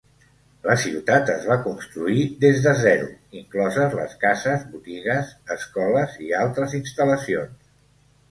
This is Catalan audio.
La ciutat es va construir des de zero, incloses les cases, botigues, escoles i altres instal·lacions.